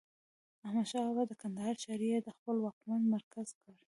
احمدشاه بابا د کندهار ښار يي د خپلې واکمنۍ مرکز کړ.